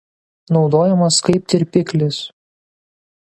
Naudojamas kaip tirpiklis.